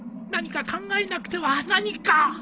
何か考えなくては何か